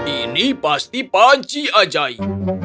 ini pasti panci ajaib